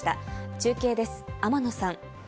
中継です、天野さん。